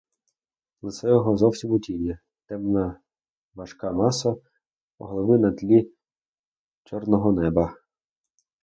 Лице його зовсім у тіні, темна важка маса голови на тлі вечірнього неба.